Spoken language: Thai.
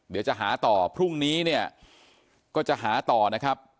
เดี๋ยวจะหาต่อพรุ่งนี้เนี่ยก็จะหาต่อนะครับ